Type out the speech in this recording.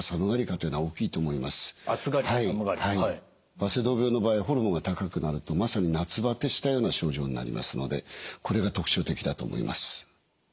バセドウ病の場合ホルモンが高くなるとまさに夏ばてしたような症状になりますのでこれが特徴的だと思います。